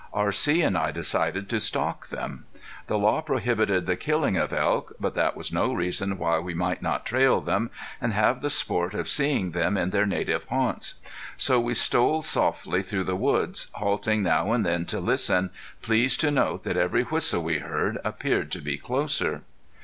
R.C. and I decided to stalk them. The law prohibited the killing of elk, but that was no reason why we might not trail them, and have the sport of seeing them in their native haunts. So we stole softly through the woods, halting now and then to listen, pleased to note that every whistle we heard appeared to be closer.